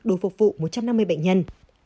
đối phục vụ một trăm năm mươi bệnh nhân